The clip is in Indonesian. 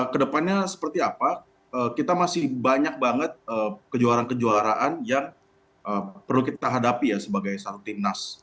kedepannya seperti apa kita masih banyak banget kejuaraan kejuaraan yang perlu kita hadapi ya sebagai satu timnas